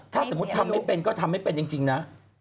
ถ้าสมมุติทำไม่เป็นก็ทำไม่เป็นจริงนะ